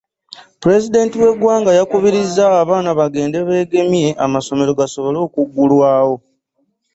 Pulezidenti w'eggwanga yakubiriza abaana bagende beegemye amasomero gasobole okuggulwawo.